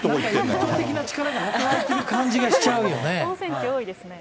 圧倒的な力が働いてる感じがしちゃうよね。